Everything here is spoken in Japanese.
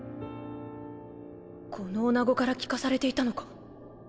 このおなごから聞かされていたのか？